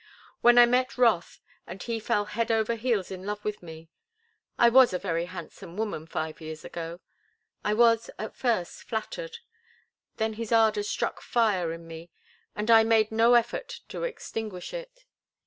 When I met Rothe and he fell head over heels in love with me—I was a very handsome woman five years ago—I was at first flattered; then his ardor struck fire in me and I made no effort to extinguish it.